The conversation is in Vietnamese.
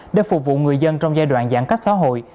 để phục vụ người dân trong giai đoạn giãn cách xã hội